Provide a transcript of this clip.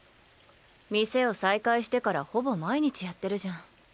店を再開してからほぼ毎日やってるじゃん。